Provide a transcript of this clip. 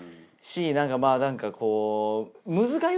なんかまぁなんかこう。